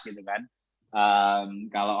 kalau offline lebih mudah